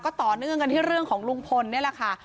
ต่อเนื่องกันที่เรื่องของลุงพลนี่แหละค่ะ